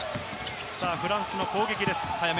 フランスの攻撃です。